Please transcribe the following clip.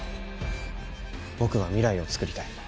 僕は未来をつくりたい。